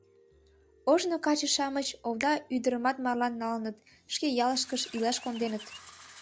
Ожно каче-шамыч овда ӱдырымат марлан налыныт, шке ялышкышт илаш конденыт...